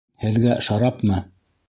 Һеҙгә шарапмы?